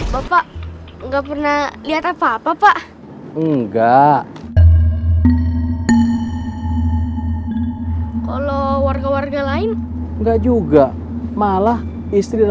bapak enggak pernah lihat apa apa pak enggak kalau warga warga lain enggak juga malah istri